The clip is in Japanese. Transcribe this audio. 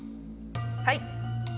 はい。